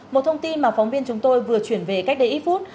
một thông tin mà phóng viên chúng tôi vừa chuyển về cách đây ít phút